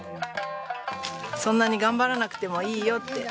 そんなに頑張らなくてもいいよって。